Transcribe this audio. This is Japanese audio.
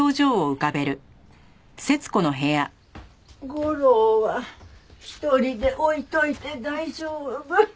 吾良は一人で置いといて大丈夫？